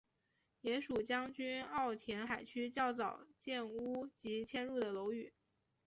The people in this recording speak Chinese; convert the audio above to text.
也属将军澳填海区较早建屋及迁入的楼宇。